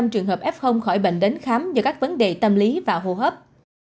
ba trăm linh trường hợp f khỏi bệnh đến khám do các vấn đề tâm lý và hô hấp